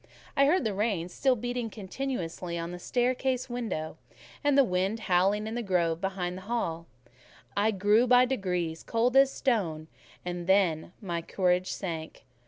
I heard the rain still beating continuously on the staircase window, and the wind howling in the grove behind the hall; I grew by degrees cold as a stone, and then my courage sank.